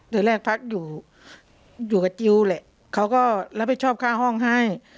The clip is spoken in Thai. เดือนแรกพักอยู่อยู่กับจิลแหละเขาก็รับผิดชอบค่าห้องให้